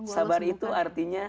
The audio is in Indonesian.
sabar itu artinya